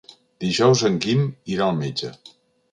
Dijous en Guim irà al metge.